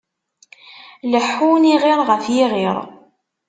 Leḥḥun, iɣiṛ ɣef yiɣiṛ.